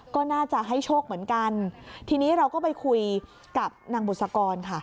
ก็น่าจะให้โชคเหมือนกันทีนี้เราก็ไปคุยกับนางบุษกรค่ะ